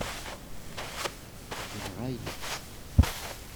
Yenɣa-yi-tt.